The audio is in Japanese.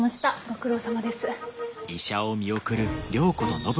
ご苦労さまです。